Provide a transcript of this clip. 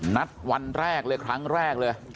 นัดวันแรกเลยครั้งแรกเลย